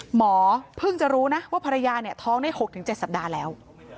หมอเพิ่งจะรู้นะว่าภรรยาเนี่ยท้องได้๖๗สัปดาห์แล้ว